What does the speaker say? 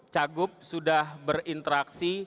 cagup sudah berinteraksi